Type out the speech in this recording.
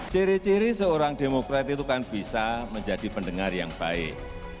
ciri ciri seorang demokrat itu kan bisa menjadi pendengar yang baik